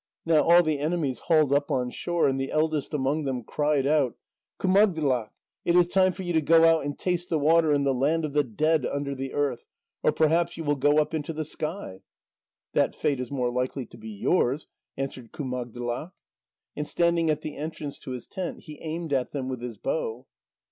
Now all the enemies hauled up on shore, and the eldest among them cried out: "Kumagdlak! It is time for you to go out and taste the water in the land of the dead under the earth or perhaps you will go up into the sky?" "That fate is more likely to be yours," answered Kumagdlak. And standing at the entrance to his tent, he aimed at them with his bow.